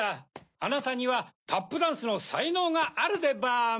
あなたにはタップダンスのさいのうがあるでバーム。